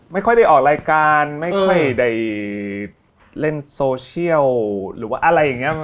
ไม่ค่อยได้ออกรายการไม่ค่อยได้เล่นโซเชียลหรือว่าอะไรอย่างนี้